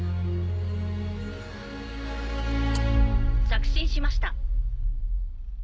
着信しました。